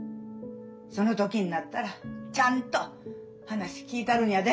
その時になったらちゃんと話聞いたるんやで。